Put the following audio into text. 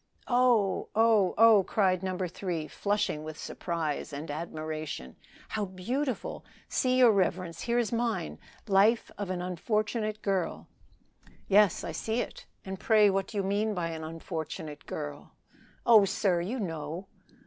"Oh! oh! oh!" cried No. 3, flushing with surprise and admiration, "how beautiful! See, your reverence, here is mine 'Life of an Unfortunate Girl.'" "Yes, I see it. And pray what do you mean by an unfortunate girl?" "Oh, sir! you know."